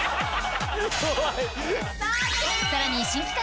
さらに新企画！